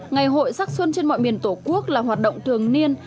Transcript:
ngày hội sắc xuân trên mọi miền tổ quốc là hoạt động thường niên